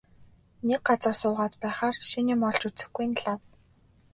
Нэг газар суугаад байхаар шинэ юм олж үзэхгүй нь лав.